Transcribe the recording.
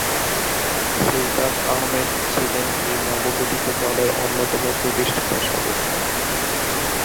সুলতান আহমেদ ছিলেন এই নবগঠিত দলের অন্যতম প্রতিষ্ঠাতা-সদস্য।